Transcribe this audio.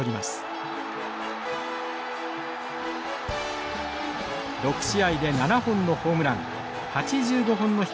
６試合で７本のホームラン８５本のヒットは当時の新記録。